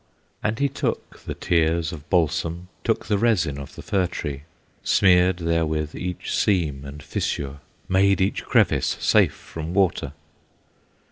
And he took the tears of balsam, Took the resin of the Fir tree, Smeared therewith each seam and fissure, Made each crevice safe from water.